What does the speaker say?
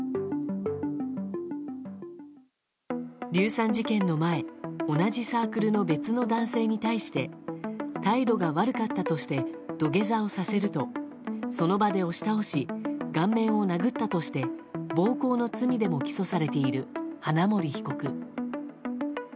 硫酸事件の前同じサークルの別の男性に対して態度が悪かったとして土下座をさせるとその場で押し倒し顔面を殴ったとして暴行の罪でも起訴されている花森被告。